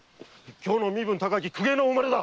京の身分高き公家のお生まれだ。